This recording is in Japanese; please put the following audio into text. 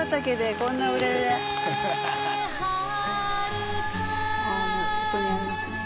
ここにありますね。